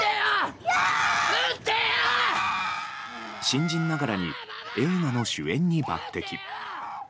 新人ながらに映画の主演に抜擢。